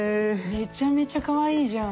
めちゃめちゃかわいいじゃん。